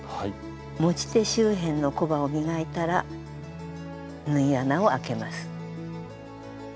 持ち手周辺のコバを磨いたら縫い穴をあけます。